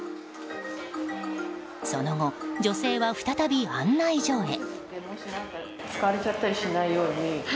その後、女性は再び案内所へ。